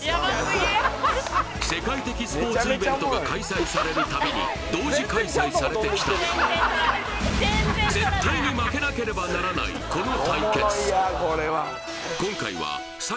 世界的スポーツイベントが開催されるたびに同時開催されてきた絶対に負けなければならないこの対決